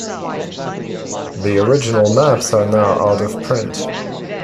The original maps are now out of print.